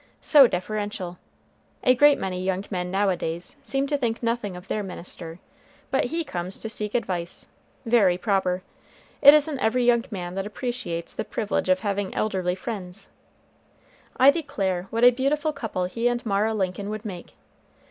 so deferential! A great many young men nowadays seem to think nothing of their minister; but he comes to seek advice. Very proper. It isn't every young man that appreciates the privilege of having elderly friends. I declare, what a beautiful couple he and Mara Lincoln would make!